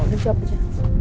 udah jawab aja